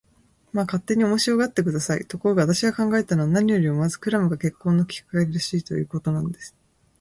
まあ、勝手に面白がって下さい。ところが、私が考えたのは、何よりもまずクラムが結婚のきっかけらしい、ということなんです。